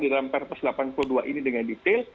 di dalam perpres delapan puluh dua ini dengan detail